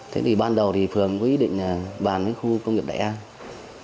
thế thì ban đầu thì phường có ý định là bàn với khu công nghiệp đại an